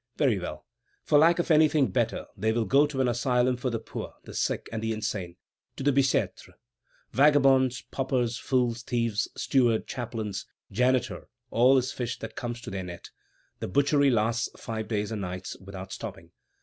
Very well! for lack of anything better, they will go to an asylum for the poor, the sick, and the insane; to the Bicêtre. Vagabonds, paupers, fools, thieves, steward, chaplains, janitor, all is fish that comes to their net. The butchery lasts five days and nights without stopping.